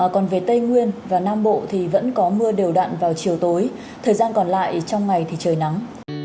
còn về tây nguyên và nam bộ thì vẫn có mưa đều đạn vào chiều tối thời gian còn lại trong ngày thì trời nắng